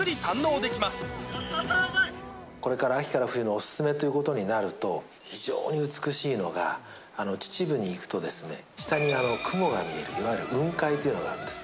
これから秋から冬のお勧めということになると、非常に美しいのが、秩父に行くと、下に雲が見える、いわゆる雲海というのがあるんです。